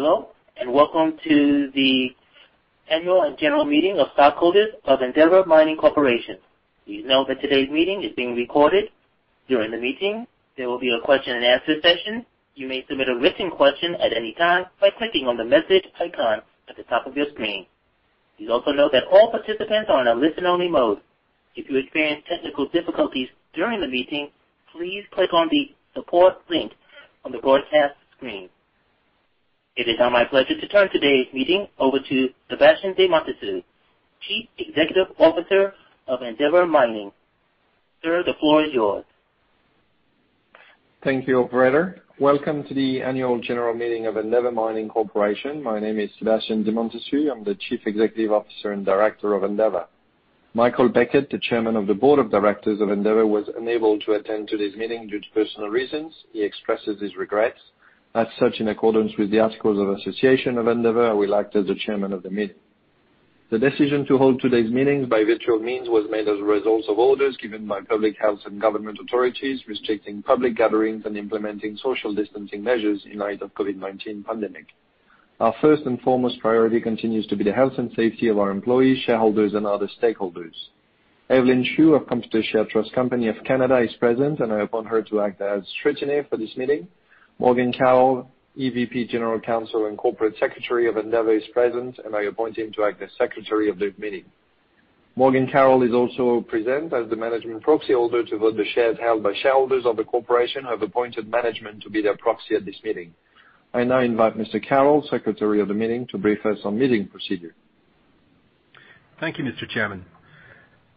Hello, and welcome to the Annual and General Meeting of stockholders of Endeavour Mining plc. Please note that today's meeting is being recorded. During the meeting, there will be a question and answer session. You may submit a written question at any time by clicking on the message icon at the top of your screen. Please also note that all participants are on a listen-only mode. If you experience technical difficulties during the meeting, please click on the support link on the broadcast screen. It is now my pleasure to turn today's meeting over to Sébastien de Montessus, Chief Executive Officer of Endeavour Mining. Sir, the floor is yours. Thank you, operator. Welcome to the Annual General Meeting of Endeavour Mining plc. My name is Sébastien de Montessus. I'm the Chief Executive Officer and Director of Endeavour. Michael Beckett, the Chairman of the Board of Directors of Endeavour, was unable to attend today's meeting due to personal reasons. He expresses his regrets. As such, in accordance with the articles of Association of Endeavour, I will act as the chairman of the meeting. The decision to hold today's meetings by virtual means was made as a result of orders given by public health and government authorities restricting public gatherings and implementing social distancing measures in light of COVID-19 pandemic. Our first and foremost priority continues to be the health and safety of our employees, shareholders, and other stakeholders. Evelyn Hsu of Computershare Trust Company of Canada is present, and I appoint her to act as scrutineer for this meeting. Morgan Carroll, EVP, General Counsel, and Corporate Secretary of Endeavour Mining, is present, and I appoint him to act as Secretary of the meeting. Morgan Carroll is also present as the management proxyholder to vote the shares held by shareholders of the corporation who have appointed management to be their proxy at this meeting. I now invite Mr. Carroll, Secretary of the Meeting, to brief us on meeting procedure. Thank you, Mr. Chairman.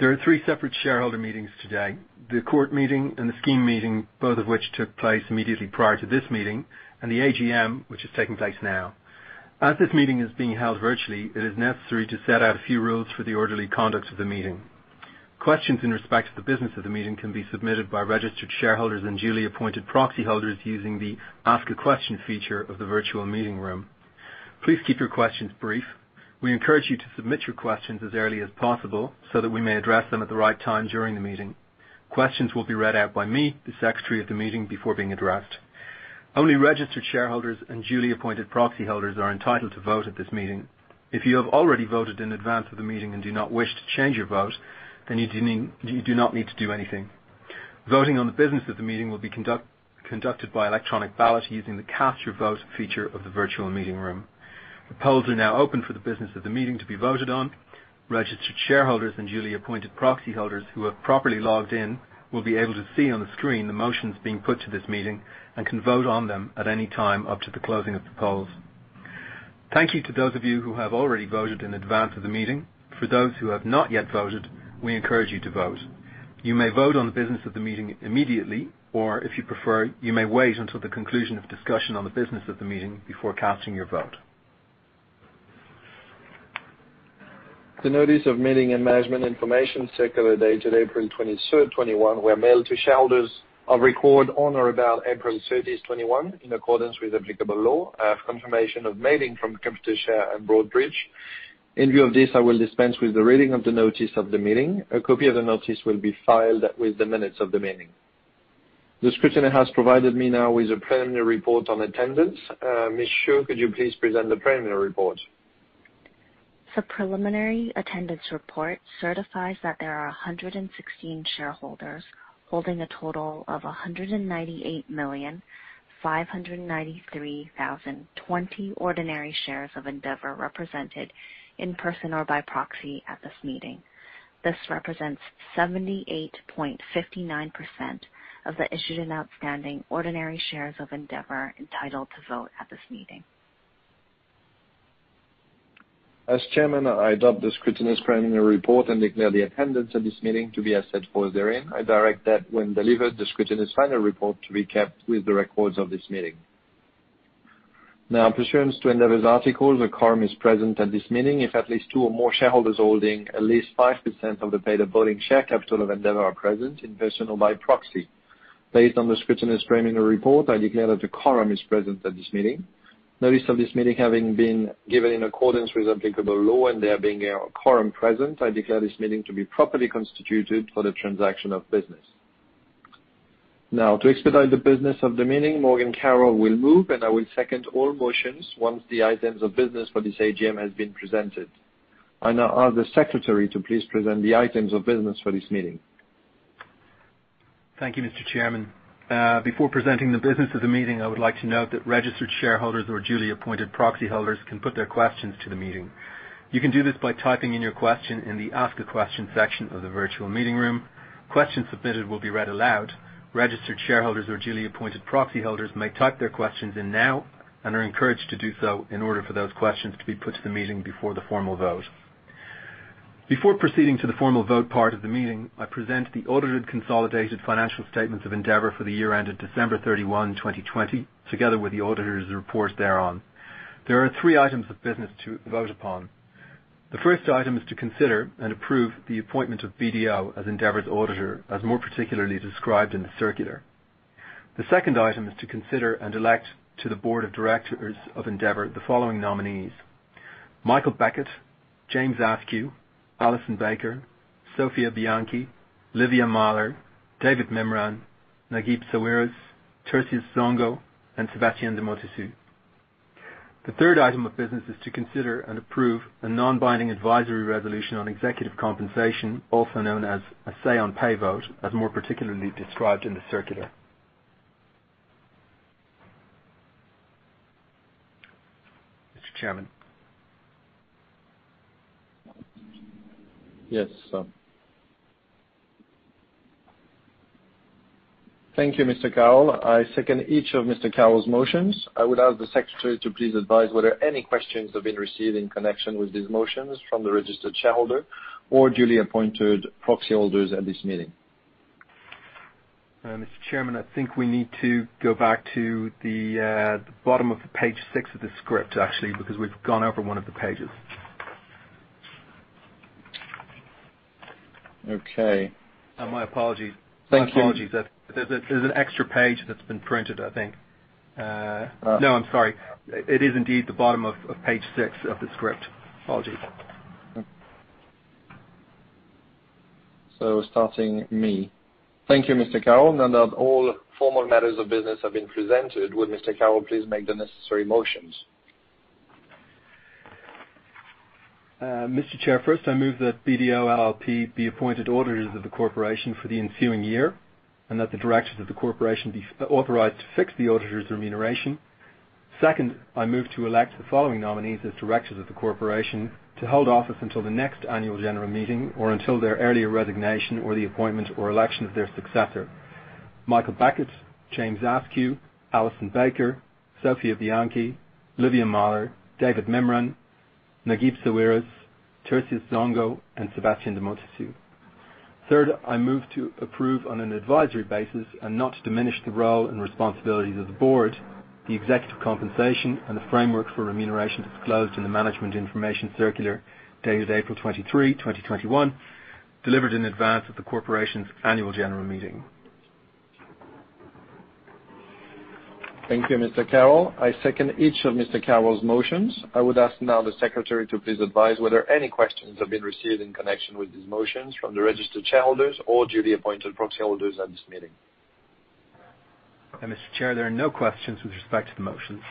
There are three separate shareholder meetings today. The court meeting and the scheme meeting, both of which took place immediately prior to this meeting, and the AGM, which is taking place now. As this meeting is being held virtually, it is necessary to set out a few rules for the orderly conduct of the meeting. Questions in respect to the business of the meeting can be submitted by registered shareholders and duly appointed proxyholders using the Ask a Question feature of the virtual meeting room. Please keep your questions brief. We encourage you to submit your questions as early as possible so that we may address them at the right time during the meeting. Questions will be read out by me, the Secretary of the meeting, before being addressed. Only registered shareholders and duly appointed proxyholders are entitled to vote at this meeting. If you have already voted in advance of the meeting and do not wish to change your vote, then you do not need to do anything. Voting on the business of the meeting will be conducted by electronic ballot using the Cast Your Vote feature of the virtual meeting room. The polls are now open for the business of the meeting to be voted on. Registered shareholders and duly appointed proxyholders who have properly logged in will be able to see on the screen the motions being put to this meeting and can vote on them at any time up to the closing of the polls. Thank you to those of you who have already voted in advance of the meeting. For those who have not yet voted, we encourage you to vote. You may vote on the business of the meeting immediately, or if you prefer, you may wait until the conclusion of discussion on the business of the meeting before casting your vote. The notice of meeting and management information circular dated April 23rd, 2021, were mailed to shareholders of record on or about April 30th, 2021, in accordance with applicable law. I have confirmation of mailing from Computershare and Broadridge. In view of this, I will dispense with the reading of the notice of the meeting. A copy of the notice will be filed with the minutes of the meeting. The scrutineer has provided me now with a preliminary report on attendance. Ms. Hsu, could you please present the preliminary report? The preliminary attendance report certifies that there are 116 shareholders holding a total of 198,593,020 ordinary shares of Endeavour represented in person or by proxy at this meeting. This represents 78.59% of the issued and outstanding ordinary shares of Endeavour entitled to vote at this meeting. As Chairman, I adopt the scrutineer's preliminary report and declare the attendance at this meeting to be as set forth therein. I direct that when delivered, the scrutineer's final report to be kept with the records of this meeting. In pursuance to Endeavour's articles, a quorum is present at this meeting, if at least two or more shareholders holding at least 5% of the paid and voting share capital of Endeavour are present in person or by proxy. Based on the scrutineer's preliminary report, I declare that a quorum is present at this meeting. Notice of this meeting having been given in accordance with applicable law and there being a quorum present, I declare this meeting to be properly constituted for the transaction of business. To expedite the business of the meeting, Morgan Carroll will move, and I will second all motions once the items of business for this AGM has been presented. I now ask the Secretary to please present the items of business for this meeting. Thank you, Mr. Chairman. Before presenting the business of the meeting, I would like to note that registered shareholders or duly appointed proxyholders can put their questions to the meeting. You can do this by typing in your question in the Ask a Question section of the virtual meeting room. Questions submitted will be read aloud. Registered shareholders or duly appointed proxyholders may type their questions in now and are encouraged to do so in order for those questions to be put to the meeting before the formal vote. Before proceeding to the formal vote part of the meeting, I present the audited consolidated financial statements of Endeavour Mining for the year ended December 31, 2020, together with the auditor's report thereon. There are three items of business to vote upon. The first item is to consider and approve the appointment of BDO as Endeavour's auditor, as more particularly described in the circular. The second item is to consider and elect to the board of directors of Endeavour the following nominees Michael Beckett, James Askew, Alison Baker, Sofia Bianchi, Livia Mahler, David Mimran, Naguib Sawiris, Tertius Zongo, and Sébastien de Montessus. The third item of business is to consider and approve a non-binding advisory resolution on executive compensation, also known as a say on pay vote, as more particularly described in the circular. Mr. Chairman. Yes. Thank you, Mr. Carroll. I second each of Mr. Carroll's motions. I would ask the Secretary to please advise whether any questions have been received in connection with these motions from the registered shareholder or duly appointed proxy holders at this meeting. Mr. Chairman, I think we need to go back to the bottom of page six of the script, actually, because we've gone over one of the pages. Okay. My apologies. Thank you. There's an extra page that's been printed, I think. No, I'm sorry. It is indeed the bottom of page six of the script. Apologies. Thank you, Mr. Carroll. Now that all formal matters of business have been presented, would Mr. Carroll please make the necessary motions? Mr. Chair, first, I move that BDO LLP be appointed auditors of the corporation for the ensuing year, and that the directors of the corporation be authorized to fix the auditor's remuneration. Second, I move to elect the following nominees as directors of the corporation to hold office until the next annual general meeting or until their earlier resignation or the appointment or election of their successor. Michael Beckett, James Askew, Alison Baker, Sofia Bianchi, Livia Mahler, David Mimran, Naguib Sawiris, Tertius Zongo, and Sébastien de Montessus. Third, I move to approve on an advisory basis and not to diminish the role and responsibilities of the board, the executive compensation and the framework for remuneration disclosed in the management information circular dated April 23, 2021, delivered in advance of the corporation's annual general meeting. Thank you, Mr. Carroll. I second each of Mr. Carroll's motions. I would ask now the Secretary to please advise whether any questions have been received in connection with these motions from the registered shareholders or duly appointed proxy holders at this meeting. Mr. Chair, there are no questions with respect to the motions.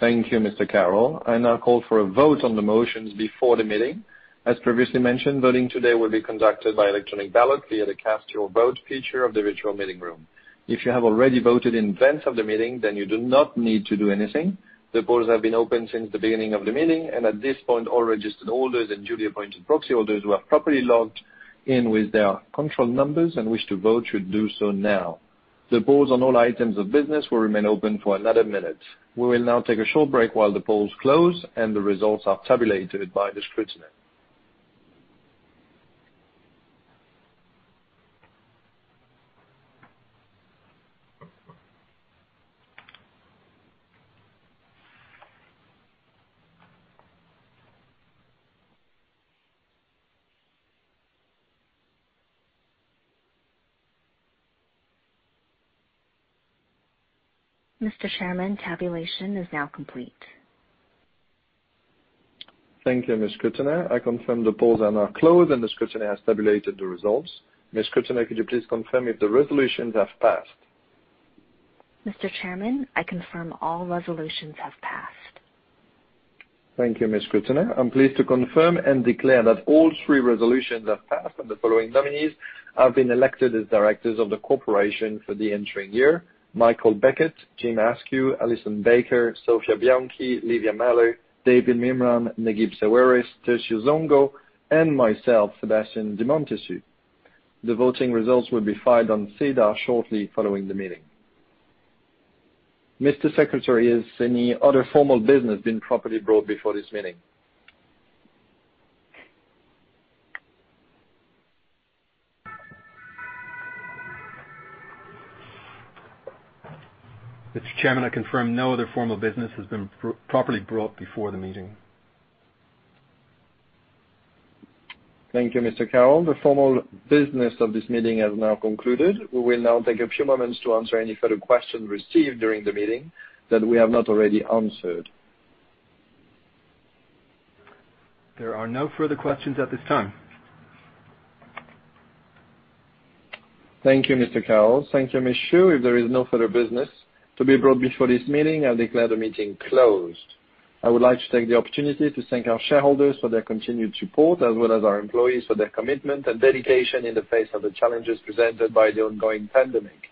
Thank you, Mr. Carroll. I now call for a vote on the motions before the meeting. As previously mentioned, voting today will be conducted by electronic ballot via the Cast Your Vote feature of the virtual meeting room. If you have already voted in advance of the meeting, then you do not need to do anything. The polls have been open since the beginning of the meeting, and at this point, all registered holders and duly appointed proxy holders who have properly logged in with their control numbers and wish to vote should do so now. The polls on all items of business will remain open for another minute. We will now take a short break while the polls close, and the results are tabulated by Ms. Critchley. Mr. Chairman, tabulation is now complete. Thank you, Ms. Critchley. I confirm the polls are now closed, and Ms. Critchley has tabulated the results. Ms. Critchley, could you please confirm if the resolutions have passed? Mr. Chairman, I confirm all resolutions have passed. Thank you, Ms. Critchley. I'm pleased to confirm and declare that all three resolutions have passed, and the following nominees have been elected as directors of the corporation for the ensuing year: Michael Beckett, James Askew, Alison Baker, Sofia Bianchi, Livia Mahler, David Mimran, Naguib Sawiris, Tertius Zongo, and myself, Sébastien de Montessus. The voting results will be filed on SEDAR shortly following the meeting. Mr. Secretary, has any other formal business been properly brought before this meeting? Mr. Chairman, I confirm no other formal business has been properly brought before the meeting. Thank you, Mr. Carroll. The formal business of this meeting has now concluded. We will now take a few moments to answer any further questions received during the meeting that we have not already answered. There are no further questions at this time. Thank you, Mr. Carroll. Thank you, Ms. Hsu. If there is no further business to be brought before this meeting, I declare the meeting closed. I would like to take the opportunity to thank our shareholders for their continued support, as well as our employees for their commitment and dedication in the face of the challenges presented by the ongoing pandemic.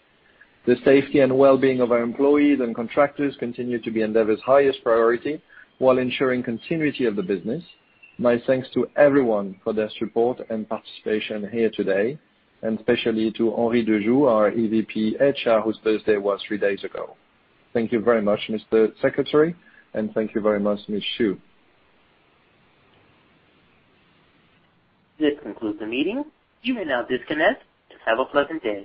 The safety and well-being of our employees and contractors continue to be Endeavour's highest priority while ensuring continuity of the business. My thanks to everyone for their support and participation here today, and especially to Henri de Foucauld, our EVP HR, whose birthday was three days ago. Thank you very much, Mr. Secretary, and thank you very much, Ms. Hsu. This concludes the meeting. You may now disconnect and have a pleasant day.